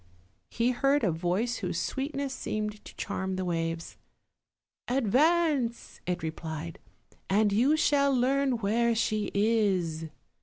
he heard a voice whose sweetness seemed to charm the waves: 'Advance!" it replied, "and you shall learn where she is."